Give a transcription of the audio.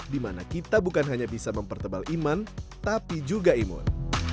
di mana kita bukan hanya bisa mempertebal iman tapi juga imun